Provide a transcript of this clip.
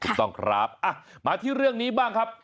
ถูกต้องครับมาที่เรื่องนี้บ้างครับ